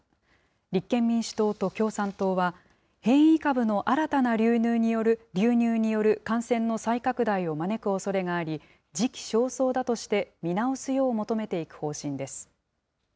立憲民主党と共産党は、変異株の新たな流入による感染の再拡大を招くおそれがあり、時期尚早だとして、見直すよう求めていく方針です。